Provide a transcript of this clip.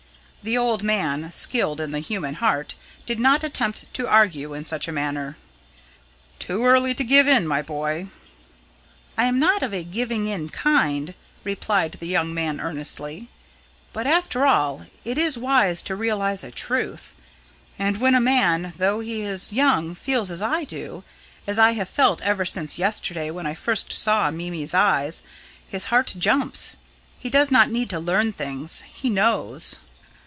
The old man, skilled in the human heart, did not attempt to argue in such a matter. "Too early to give in, my boy." "I am not of a giving in kind," replied the young man earnestly. "But, after all, it is wise to realise a truth. And when a man, though he is young, feels as I do as I have felt ever since yesterday, when I first saw Mimi's eyes his heart jumps. He does not need to learn things. He knows."